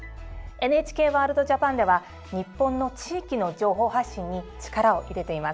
「ＮＨＫワールドＪＡＰＡＮ」では日本の地域の情報発信に力を入れています。